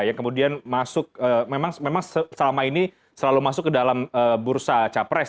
yang kemudian masuk memang selama ini selalu masuk ke dalam bursa capres